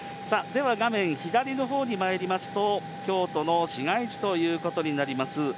では、画面左のほうにまいりますと、京都の市街地ということになります。